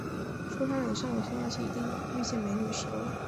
说他脸上有些妖气，一定遇见“美女蛇”了